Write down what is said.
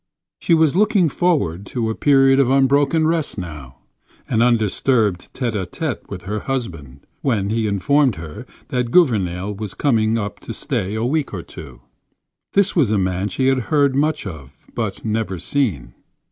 She was looking forward to a period of unbroken rest, now, and undisturbed tête à tête with her husband, when he informed her that Gouvernail was coming up to stay a week or two. This was a man she had heard much of but never seen.